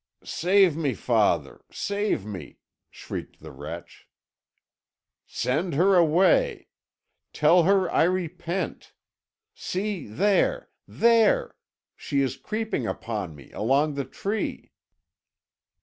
"Save me, father save me!" shrieked the wretch. "Send her away! Tell her I repent. See, there there! she is creeping upon me, along the tree!"